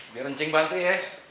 biarin cing bantu ya